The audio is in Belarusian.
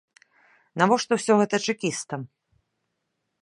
Навошта ўсё гэта чэкістам?